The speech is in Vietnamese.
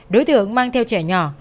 đối tượng mang theo trẻ nhỏ